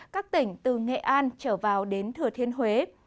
các tỉnh từ nghệ an trở vào đến thừa thiên huế